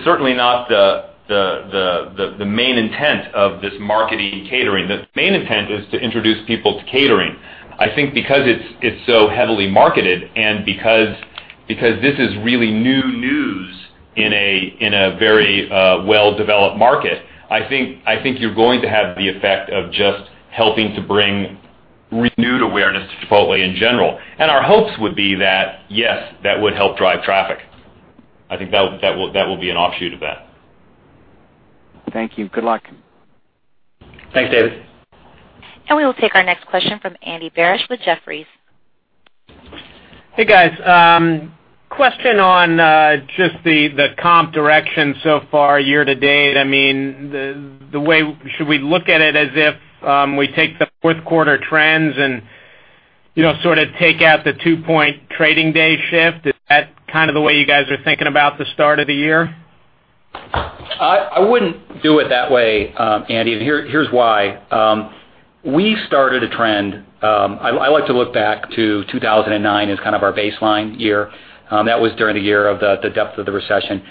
main intent of this marketing catering. The main intent is to introduce people to catering. I think because it's so heavily marketed and because this is really new news in a very well-developed market, I think you're going to have the effect of just helping to bring renewed awareness to Chipotle in general. Our hopes would be that, yes, that would help drive traffic. I think that will be an offshoot of that. Thank you. Good luck. Thanks, David. We will take our next question from Andy Barish with Jefferies. Hey, guys. Question on just the comp direction so far year to date. Should we look at it as if we take the fourth quarter trends and sort of take out the 2-point trading day shift? Is that kind of the way you guys are thinking about the start of the year? I wouldn't do it that way, Andy. Here's why. We started a trend. I like to look back to 2009 as kind of our baseline year. That was during the year of the depth of the recession.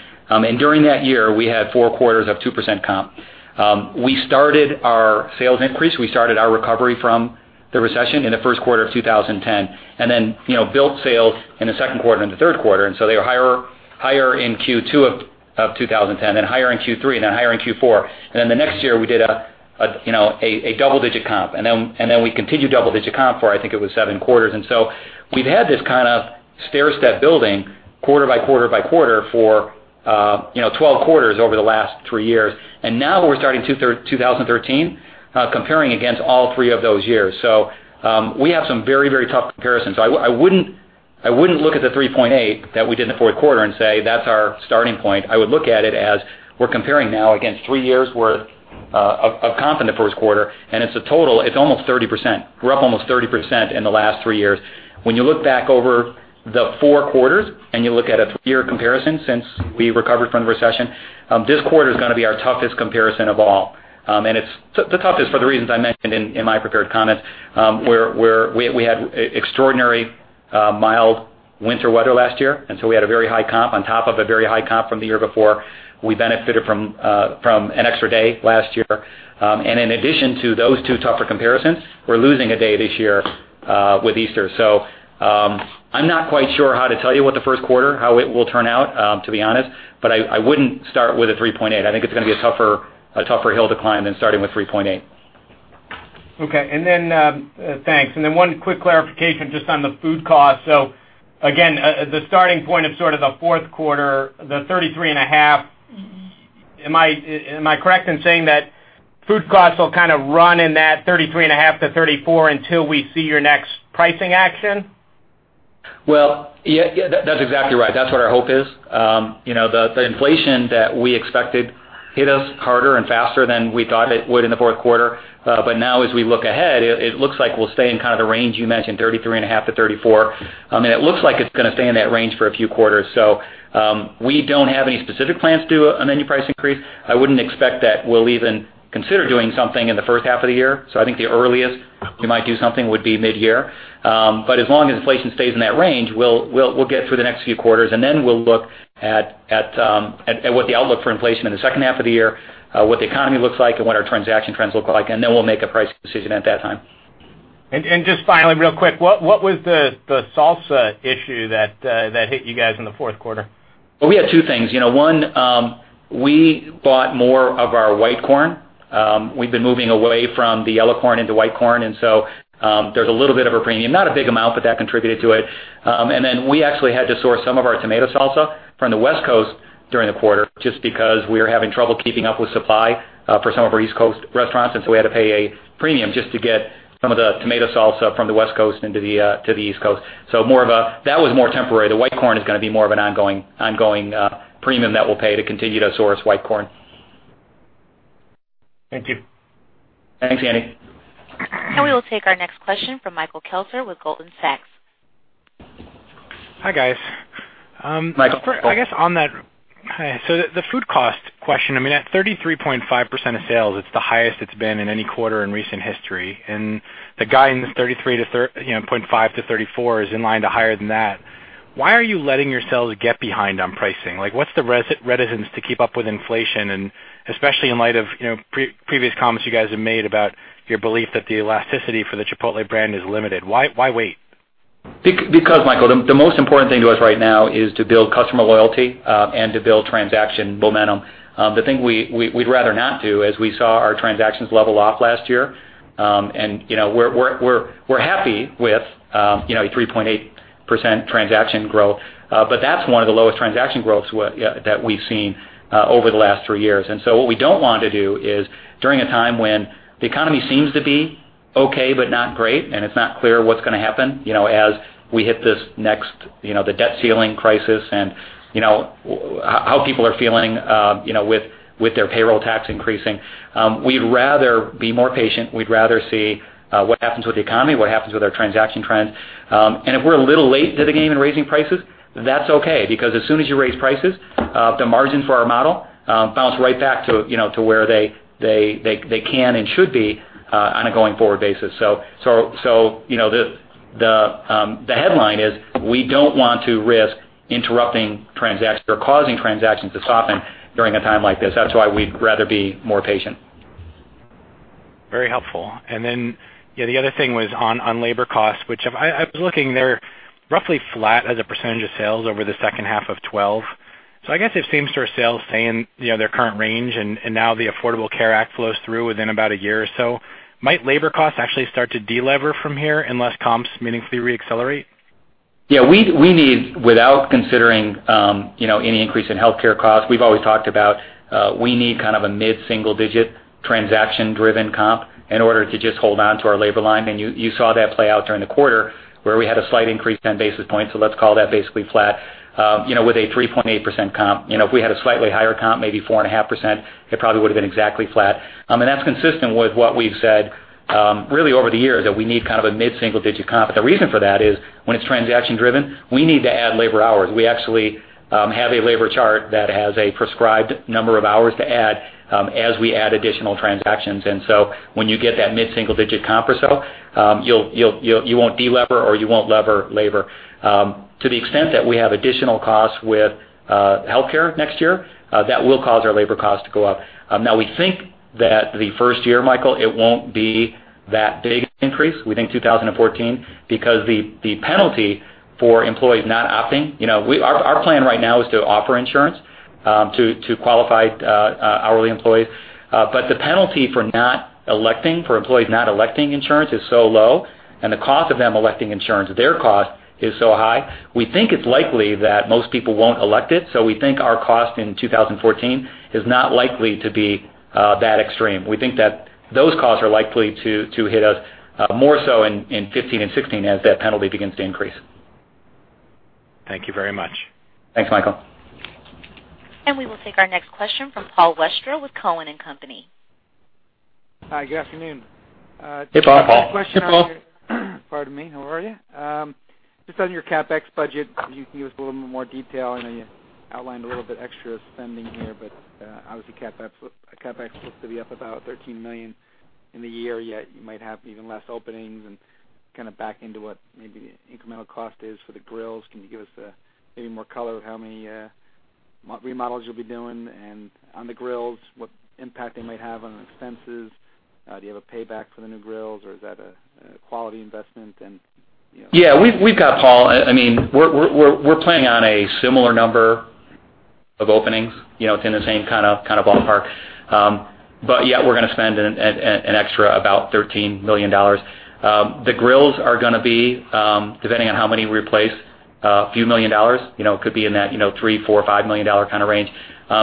During that year, we had four quarters of 2% comp. We started our sales increase, we started our recovery from the recession in the first quarter of 2010. Then built sales in the second quarter and the third quarter. They were higher in Q2 of 2010, then higher in Q3, then higher in Q4. The next year, we did a double-digit comp. We continued double-digit comp for, I think it was seven quarters. We've had this kind of stair step building quarter by quarter by quarter for 12 quarters over the last three years. Now we're starting 2013, comparing against all three of those years. We have some very, very tough comparisons. I wouldn't look at the 3.8 that we did in the fourth quarter and say, "That's our starting point." I would look at it as we're comparing now against three years' worth of comp in the first quarter. It's a total, it's almost 30%. We're up almost 30% in the last three years. When you look back over the four quarters, you look at a three-year comparison since we recovered from the recession, this quarter is going to be our toughest comparison of all. It's the toughest for the reasons I mentioned in my prepared comments, where we had extraordinary mild winter weather last year. We had a very high comp on top of a very high comp from the year before. We benefited from an extra day last year. In addition to those two tougher comparisons, we're losing a day this year with Easter. I'm not quite sure how to tell you what the first quarter, how it will turn out, to be honest, but I wouldn't start with a 3.8. I think it's going to be a tougher hill to climb than starting with 3.8. Okay. Thanks. Then one quick clarification just on the food cost. Again, the starting point of sort of the fourth quarter, the 33.5%. Am I correct in saying that food costs will kind of run in that 33.5%-34% until we see your next pricing action? Well, yeah, that's exactly right. That's what our hope is. The inflation that we expected hit us harder and faster than we thought it would in the fourth quarter. Now as we look ahead, it looks like we'll stay in kind of the range you mentioned, 33.5%-34%. It looks like it's going to stay in that range for a few quarters. We don't have any specific plans to do a menu price increase. I wouldn't expect that we'll even consider doing something in the first half of the year. I think the earliest we might do something would be mid-year. As long as inflation stays in that range, we'll get through the next few quarters, then we'll look at what the outlook for inflation in the second half of the year, what the economy looks like, and what our transaction trends look like, then we'll make a price decision at that time. Just finally, real quick, what was the salsa issue that hit you guys in the fourth quarter? Well, we had two things. One, we bought more of our white corn. We've been moving away from the yellow corn into white corn. There's a little bit of a premium, not a big amount, that contributed to it. We actually had to source some of our tomato salsa from the West Coast during the quarter, just because we were having trouble keeping up with supply for some of our East Coast restaurants. We had to pay a premium just to get some of the tomato salsa from the West Coast into the East Coast. That was more temporary. The white corn is going to be more of an ongoing premium that we'll pay to continue to source white corn. Thank you. Thanks, Andy. We will take our next question from Michael Kelter with Goldman Sachs. Hi, guys. Michael. The food cost question, at 33.5% of sales, it's the highest it's been in any quarter in recent history. The guidance 33.5%-34% is in line to higher than that. Why are you letting yourselves get behind on pricing? What's the reticence to keep up with inflation, especially in light of previous comments you guys have made about your belief that the elasticity for the Chipotle brand is limited? Why wait? Michael, the most important thing to us right now is to build customer loyalty and to build transaction momentum. The thing we'd rather not do, as we saw our transactions level off last year, we're happy with a 3.8% transaction growth, but that's one of the lowest transaction growths that we've seen over the last three years. What we don't want to do is during a time when the economy seems to be okay but not great, it's not clear what's going to happen as we hit this next debt ceiling crisis, and how people are feeling with their payroll tax increasing. We'd rather be more patient. We'd rather see what happens with the economy, what happens with our transaction trends. If we're a little late to the game in raising prices, that's okay, because as soon as you raise prices, the margins for our model bounce right back to where they can and should be on a going forward basis. The headline is we don't want to risk interrupting transactions or causing transactions to soften during a time like this. That's why we'd rather be more patient. Very helpful. The other thing was on labor costs, which I was looking, they're roughly flat as a percentage of sales over the second half of 2012. I guess if same-store sales stay in their current range, and the Affordable Care Act flows through within about a year or so, might labor costs actually start to de-lever from here unless comps meaningfully re-accelerate? Yeah. We need, without considering any increase in healthcare costs, we've always talked about, we need kind of a mid-single-digit transaction-driven comp in order to just hold on to our labor line. You saw that play out during the quarter where we had a slight increase, 10 basis points, so let's call that basically flat with a 3.8% comp. If we had a slightly higher comp, maybe 4.5%, it probably would've been exactly flat. That's consistent with what we've said, really over the years, that we need kind of a mid-single-digit comp. The reason for that is when it's transaction driven, we need to add labor hours. We actually have a labor chart that has a prescribed number of hours to add as we add additional transactions. When you get that mid-single-digit comp or so, you won't de-lever or you won't lever labor. To the extent that we have additional costs with healthcare next year, that will cause our labor cost to go up. We think that the first year, Michael, it won't be that big an increase. We think 2014 because the penalty for employees not opting Our plan right now is to offer insurance to qualified hourly employees. The penalty for employees not electing insurance is so low and the cost of them electing insurance, their cost, is so high, we think it's likely that most people won't elect it. We think our cost in 2014 is not likely to be that extreme. We think that those costs are likely to hit us more so in 2015 and 2016 as that penalty begins to increase. Thank you very much. Thanks, Michael. We will take our next question from Paul Westra with Cowen and Company. Hi, good afternoon. Hey, Paul. Pardon me. How are you? Just on your CapEx budget, can you give us a little bit more detail? I know you outlined a little bit extra spending here. Obviously, CapEx looks to be up about $13 million in the year, yet you might have even less openings and kind of back into what maybe the incremental cost is for the grills. Can you give us maybe more color of how many remodels you'll be doing and on the grills, what impact they might have on expenses? Do you have a payback for the new grills or is that a quality investment? Yeah. We've got, Paul, we're planning on a similar number of openings. It's in the same kind of ballpark. Yeah, we're going to spend an extra about $13 million. The grills are going to be, depending on how many we replace, a few million dollars. It could be in that three, four, $5 million kind of range.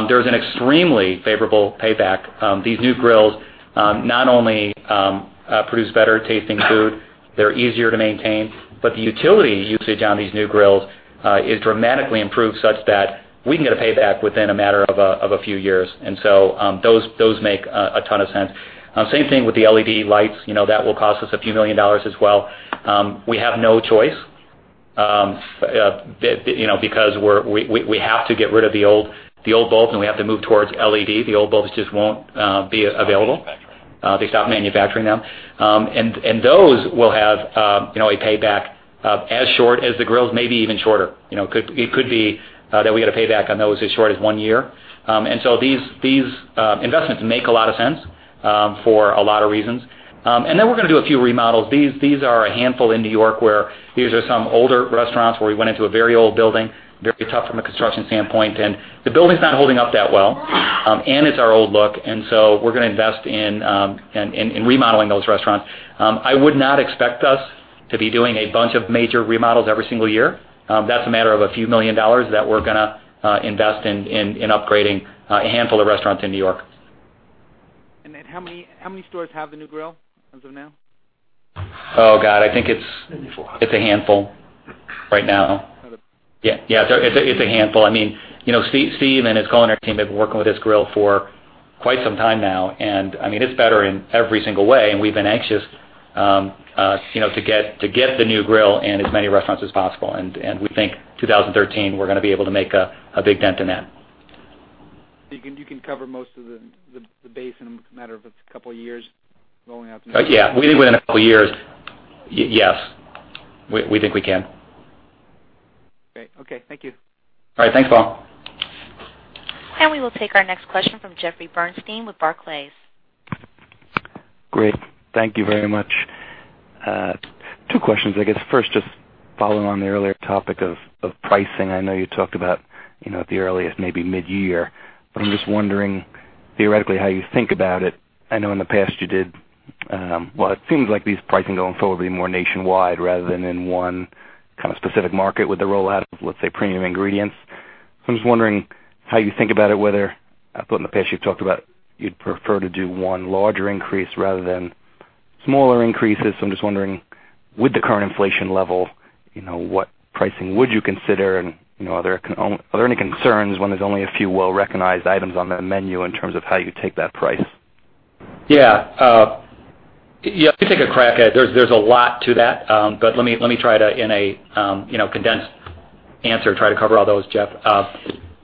There's an extremely favorable payback. These new grills not only produce better tasting food, they're easier to maintain, but the utility usage on these new grills is dramatically improved such that we can get a payback within a matter of a few years. Those make a ton of sense. Same thing with the LED lights. That will cost us a few million dollars as well. We have no choice because we have to get rid of the old bulbs, and we have to move towards LED. The old bulbs just won't be available. They stopped manufacturing them. They stopped manufacturing them. Those will have a payback as short as the grills, maybe even shorter. It could be that we get a payback on those as short as one year. These investments make a lot of sense for a lot of reasons. We're going to do a few remodels. These are a handful in N.Y. where these are some older restaurants where we went into a very old building, very tough from a construction standpoint, and the building's not holding up that well. It's our old look, so we're going to invest in remodeling those restaurants. I would not expect us to be doing a bunch of major remodels every single year. That's a matter of a few million dollars that we're going to invest in upgrading a handful of restaurants in N.Y. How many stores have the new grill as of now? Oh, God, I think it's a handful right now. Okay. Yeah. It's a handful. Steve and his culinary team have been working with this grill for quite some time now, it's better in every single way, we've been anxious to get the new grill in as many restaurants as possible. We think 2013, we're going to be able to make a big dent in that. You can cover most of the base in a matter of a couple of years rolling out. Yeah. We think within a couple of years. Yes. We think we can. Great. Okay. Thank you. All right. Thanks, Paul. We will take our next question from Jeffrey Bernstein with Barclays. Great. Thank you very much. Two questions, I guess. First, just following on the earlier topic of pricing. I know you talked about at the earliest, maybe mid-year, but I am just wondering theoretically how you think about it. I know in the past you did, well, it seems like these pricing going forward will be more nationwide rather than in one kind of specific market with the rollout of, let's say, premium ingredients. I am just wondering how you think about it, whether, I know in the past you've talked about you'd prefer to do one larger increase rather than smaller increases. I am just wondering with the current inflation level, what pricing would you consider and are there any concerns when there's only a few well-recognized items on the menu in terms of how you take that price? Yeah. Let me take a crack at it. There's a lot to that. Let me try to, in a condensed answer, try to cover all those, Jeff.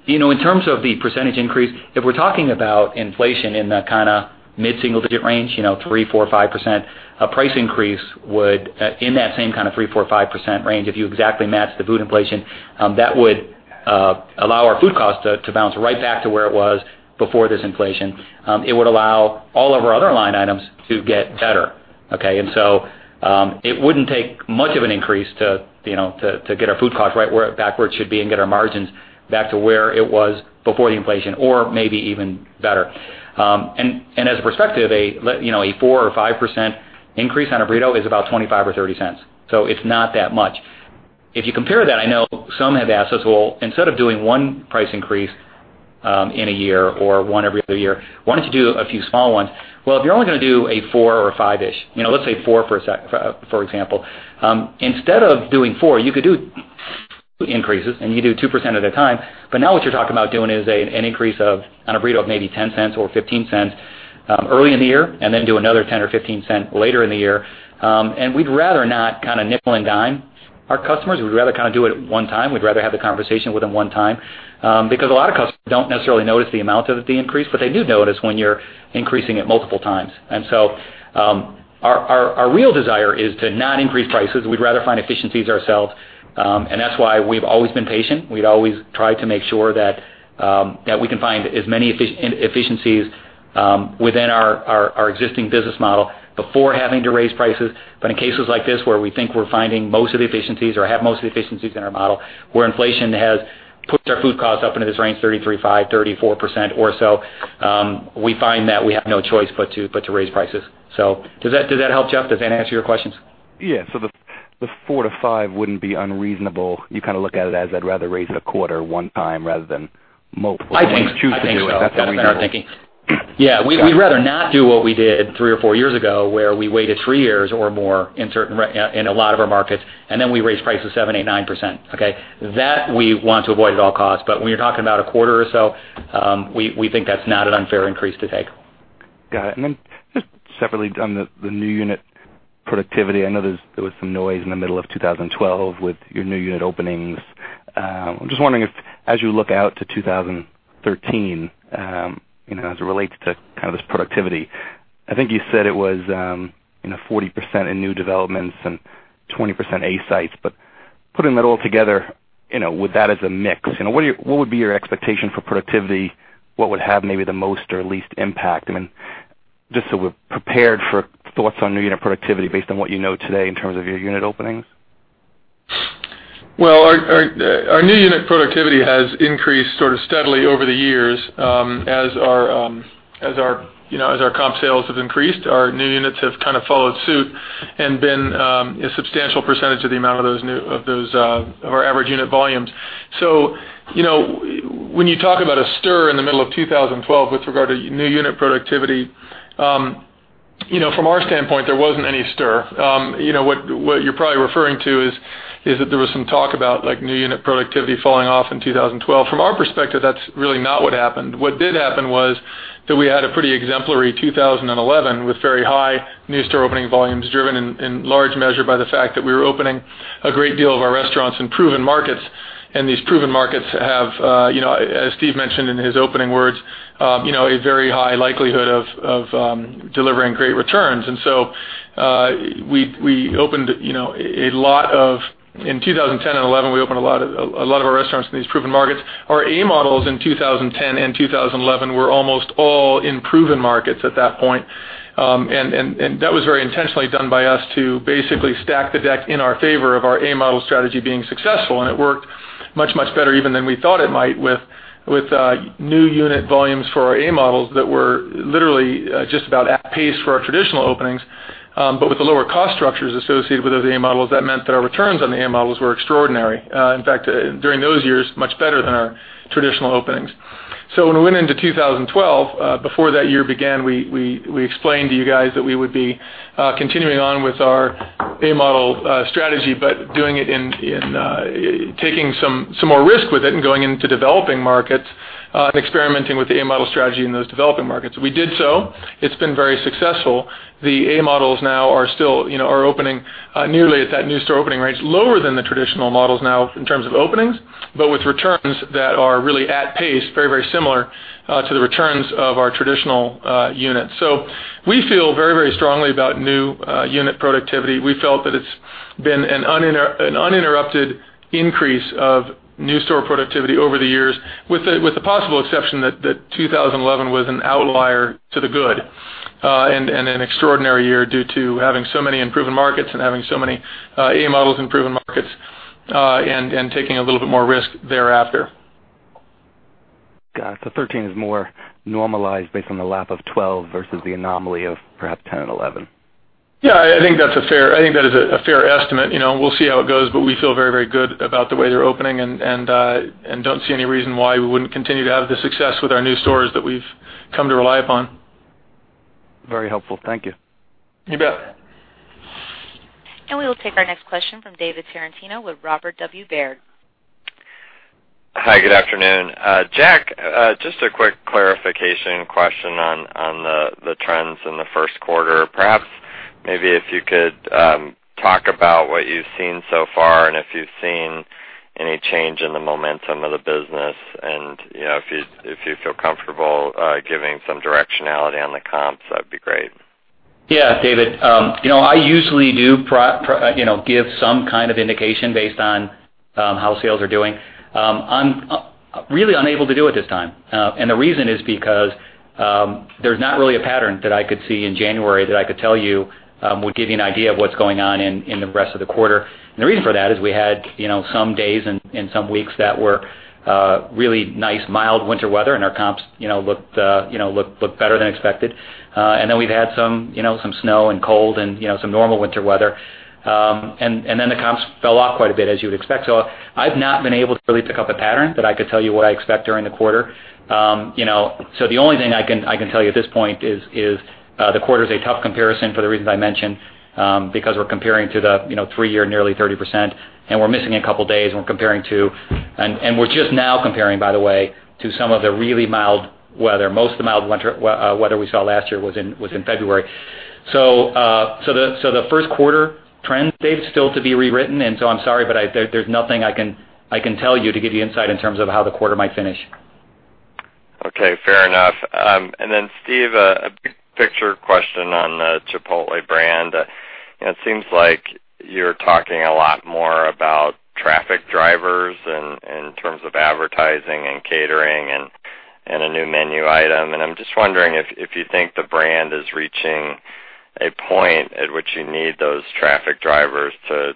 In terms of the % increase, if we're talking about inflation in the kind of mid-single digit range, 3%, 4%, 5%, a price increase would, in that same kind of 3%, 4%, 5% range, if you exactly match the food inflation, that would allow our food cost to bounce right back to where it was before this inflation. It would allow all of our other line items to get better. Okay? It wouldn't take much of an increase to get our food cost right back where it should be and get our margins back to where it was before the inflation or maybe even better. As a perspective, a 4% or 5% increase on a burrito is about $0.25 or $0.30. It's not that much. If you compare that, I know some have asked us, well, instead of doing one price increase in a year or one every other year, why don't you do a few small ones? Well, if you're only going to do a four or five-ish, let's say four, for example. Instead of doing four, you could do increases, and you do 2% at a time. Now what you're talking about doing is an increase of, on a burrito, of maybe $0.10 or $0.15 early in the year and then do another $0.10 or $0.15 later in the year. We'd rather not kind of nickel and dime our customers. We'd rather do it one time. We'd rather have the conversation with them one time. A lot of customers don't necessarily notice the amount of the increase, but they do notice when you're increasing it multiple times. Our real desire is to not increase prices. We'd rather find efficiencies ourselves, and that's why we've always been patient. We'd always try to make sure that we can find as many efficiencies within our existing business model before having to raise prices. In cases like this, where we think we're finding most of the efficiencies or have most of the efficiencies in our model, where inflation has put our food costs up into this range 33.5%-34% or so, we find that we have no choice but to raise prices. Does that help, Jeff? Does that answer your questions? Yeah. The four to five wouldn't be unreasonable. You kind of look at it as, I'd rather raise it a quarter one time rather than multiple times. I think so. If you choose to do it. That's what you're thinking. Yeah. We'd rather not do what we did three or four years ago, where we waited three years or more in a lot of our markets, and then we raised prices 7%, 8%, 9%. Okay. That we want to avoid at all costs, but when you're talking about a quarter or so, we think that's not an unfair increase to take. Got it. Then just separately on the new unit productivity. I know there was some noise in the middle of 2012 with your new unit openings. I'm just wondering if, as you look out to 2013, as it relates to this productivity, I think you said it was 40% in new developments and 20% A sites, putting that all together, with that as a mix, what would be your expectation for productivity? What would have maybe the most or least impact? Just so we're prepared for thoughts on new unit productivity based on what you know today in terms of your unit openings. Well, our new unit productivity has increased sort of steadily over the years. As our comp sales have increased, our new units have kind of followed suit and been a substantial percentage of our average unit volumes. When you talk about a stir in the middle of 2012 with regard to new unit productivity, from our standpoint, there wasn't any stir. What you're probably referring to is that there was some talk about new unit productivity falling off in 2012. From our perspective, that's really not what happened. What did happen was that we had a pretty exemplary 2011 with very high new store opening volumes, driven in large measure by the fact that we were opening a great deal of our restaurants in proven markets. These proven markets have, as Steve mentioned in his opening words, a very high likelihood of delivering great returns. In 2010 and 2011, we opened a lot of our restaurants in these proven markets. Our A Models in 2010 and 2011 were almost all in proven markets at that point. That was very intentionally done by us to basically stack the deck in our favor of our A Model strategy being successful, and it worked much, much better even than we thought it might with new unit volumes for our A Models that were literally just about at pace for our traditional openings. With the lower cost structures associated with those A Models, that meant that our returns on the A Models were extraordinary. In fact, during those years, much better than our traditional openings. When we went into 2012, before that year began, we explained to you guys that we would be continuing on with our A Model strategy, taking some more risk with it and going into developing markets, experimenting with the A Model strategy in those developing markets. We did so. It's been very successful. The A Models now are opening newly at that new store opening rates, lower than the traditional models now in terms of openings, but with returns that are really at pace, very similar to the returns of our traditional units. We feel very strongly about new unit productivity. We felt that it's been an uninterrupted increase of new store productivity over the years, with the possible exception that 2011 was an outlier to the good, an extraordinary year due to having so many in proven markets, having so many A Models in proven markets, and taking a little bit more risk thereafter. Got it. 2013 is more normalized based on the lap of 2012 versus the anomaly of perhaps 2010 and 2011. I think that is a fair estimate. We'll see how it goes, We feel very good about the way they're opening and don't see any reason why we wouldn't continue to have the success with our new stores that we've come to rely upon. Very helpful. Thank you. You bet. We will take our next question from David Tarantino with Robert W. Baird. Hi, good afternoon. Jack, just a quick clarification question on the trends in the first quarter. Perhaps, maybe if you could talk about what you've seen so far and if you've seen any change in the momentum of the business and, if you feel comfortable, giving some directionality on the comps, that'd be great. Yeah, David. I usually do give some kind of indication based on how sales are doing. I'm really unable to do it this time. The reason is because there's not really a pattern that I could see in January that I could tell you would give you an idea of what's going on in the rest of the quarter. The reason for that is we had some days and some weeks that were really nice, mild winter weather, and our comps looked better than expected. Then we've had some snow and cold and some normal winter weather. Then the comps fell off quite a bit, as you would expect. I've not been able to really pick up a pattern that I could tell you what I expect during the quarter. The only thing I can tell you at this point is the quarter's a tough comparison for the reasons I mentioned, because we're comparing to the three-year, nearly 30%, and we're missing a couple of days when comparing to. We're just now comparing, by the way, to some of the really mild weather. Most of the mild winter weather we saw last year was in February. The first quarter trends, Dave, still to be rewritten, I'm sorry, but there's nothing I can tell you to give you insight in terms of how the quarter might finish. Okay, fair enough. Then Steve, a big picture question on the Chipotle brand. It seems like you're talking a lot more about traffic drivers in terms of advertising and catering and a new menu item. I'm just wondering if you think the brand is reaching a point at which you need those traffic drivers to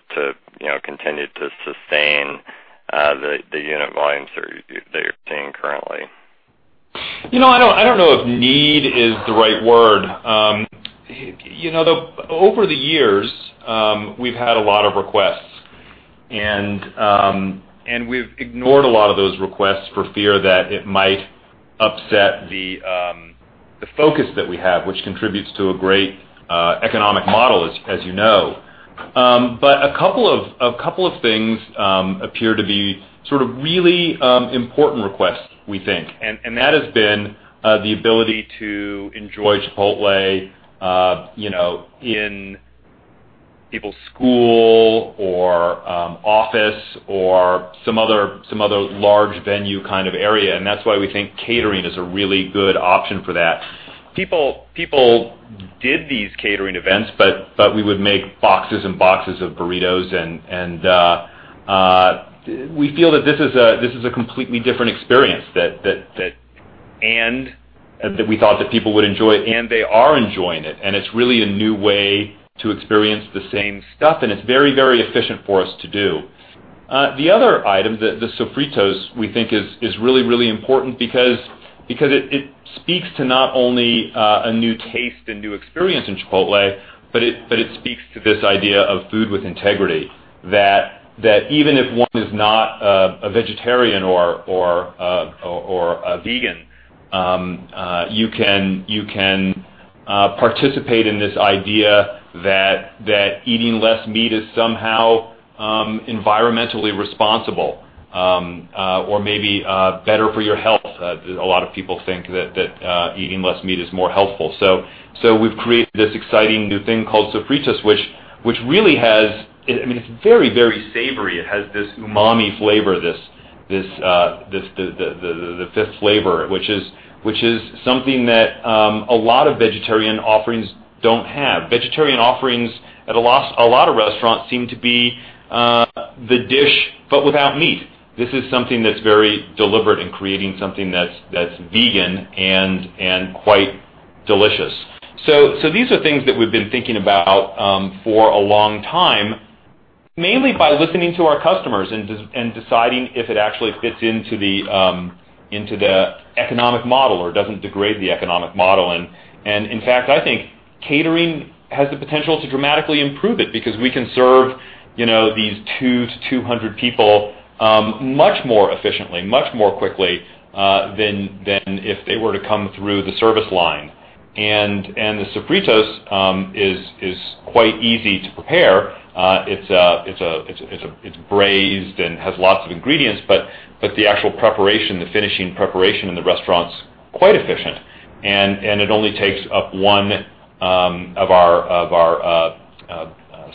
continue to sustain the unit volumes that you're seeing currently. I don't know if need is the right word. Over the years, we've had a lot of requests, we've ignored a lot of those requests for fear that it might upset the focus that we have, which contributes to a great economic model, as you know. A couple of things appear to be sort of really important requests, we think. That has been the ability to enjoy Chipotle in people's school or office or some other large venue kind of area. That's why we think catering is a really good option for that. People did these catering events, we would make boxes and boxes of burritos, we feel that this is a completely different experience, that we thought that people would enjoy it, they are enjoying it. It's really a new way to experience the same stuff. It's very efficient for us to do. The other item, the Sofritas, we think is really important because it speaks to not only a new taste and new experience in Chipotle, but it speaks to this idea of Food with Integrity, that even if one is not a vegetarian or a vegan, you can participate in this idea that eating less meat is somehow environmentally responsible or maybe better for your health. A lot of people think that eating less meat is more healthful. We've created this exciting new thing called Sofritas, which I mean, it's very savory. It has this umami flavor, the fifth flavor, which is something that a lot of vegetarian offerings don't have. Vegetarian offerings at a lot of restaurants seem to be the dish, but without meat. This is something that's very deliberate in creating something that's vegan and quite delicious. These are things that we've been thinking about for a long time, mainly by listening to our customers and deciding if it actually fits into the economic model or doesn't degrade the economic model. In fact, I think catering has the potential to dramatically improve it because we can serve these 2 to 200 people much more efficiently, much more quickly than if they were to come through the service line. The Sofritas is quite easy to prepare. It's braised and has lots of ingredients, but the actual preparation, the finishing preparation in the restaurant's quite efficient. It only takes up one of our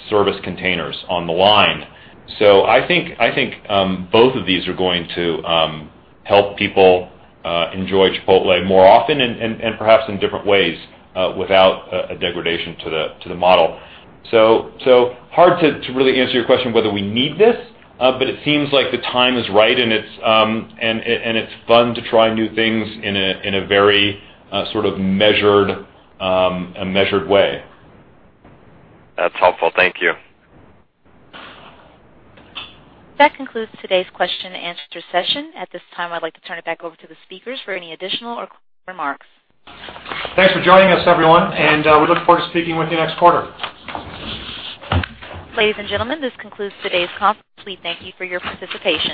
service containers on the line. I think both of these are going to help people enjoy Chipotle more often and perhaps in different ways without a degradation to the model. Hard to really answer your question whether we need this, but it seems like the time is right. It's fun to try new things in a very sort of measured way. That's helpful. Thank you. That concludes today's question and answer session. At this time, I'd like to turn it back over to the speakers for any additional or closing remarks. Thanks for joining us, everyone, and we look forward to speaking with you next quarter. Ladies and gentlemen, this concludes today's conference. We thank you for your participation.